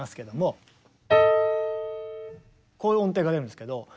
こういう音程が出るんですけど。